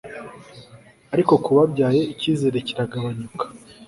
ariko ku babyaye icyizere kiragabanyuka